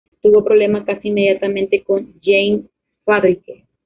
Tuvo problemas casi inmediatamente con Jaime Fadrique.